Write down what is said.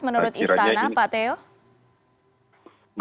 menurut istana pak teo